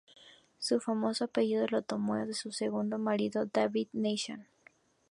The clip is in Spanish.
Su famoso apellido lo tomó de su segundo marido, David Nation.